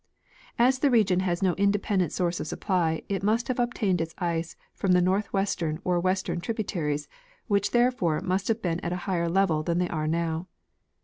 As this region has no independent source of supply, it must have obtained its ice from the north western or western tributaries, which therefore must have been at a higher level than they are now.